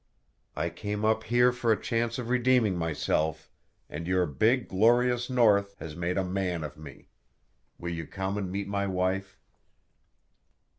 I came up here for a chance of redeeming myself, and your big, glorious North has made a man of me. Will you come and meet my wife?"